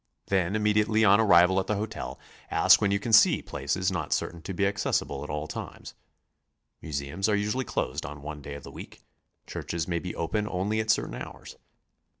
Then immediately on arrival at the hotel, ask when you can see places not certain to be accessible at all times. Museums are usually closed on one day of the week; churches may be open only at certain hours.